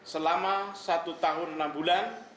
selama satu tahun enam bulan